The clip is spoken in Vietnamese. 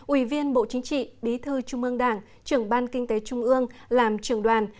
ủy viên bộ chính trị bí thư trung ương đảng trưởng ban kinh tế trung ương làm trưởng đoàn